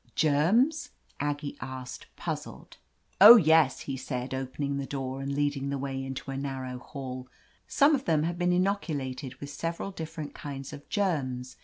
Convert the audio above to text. '* "Germs ?" Aggie asked, puzzled. Ill • THE AMAZING ADVENTURES "Oh, yes," he said, opening the door and leading the way into a narrow hall. "Some of them have been inoculated with several differ ent kinds of germs.